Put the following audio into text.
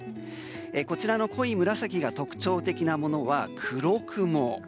こちらの濃い紫が特徴的なものは黒雲。